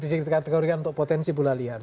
dikategorikan untuk potensi bola liar